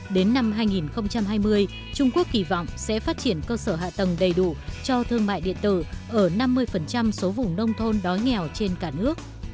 đến năm hai nghìn hai mươi trung quốc kỳ vọng sẽ phát triển cơ sở hạ tầng đầy đủ cho thương mại điện tử ở năm mươi số vùng nông thôn đói nghèo trên cả nước